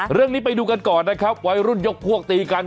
เรื่องนี้ไปดูกันก่อนนะครับวัยรุ่นยกพวกตีกัน